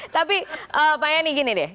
tapi pak yani gini deh